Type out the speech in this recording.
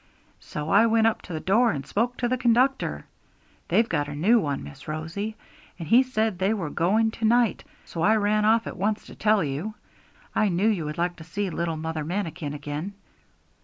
So I went up to the door and spoke to the conductor (they've got a new one, Miss Rosie), and he said they were going to night, so I ran off at once to tell you I knew you would like to see little Mother Manikin again.'